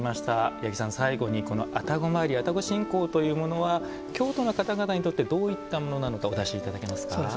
八木さん、最後に愛宕詣り愛宕信仰というのは京都の方々にとってどういったものなのかお出しいただけますか。